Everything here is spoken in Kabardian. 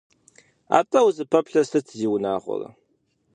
Атӏэ, узыпэплъэр сыт, зиунагъуэрэ!